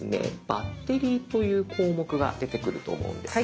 「バッテリー」という項目が出てくると思うんです。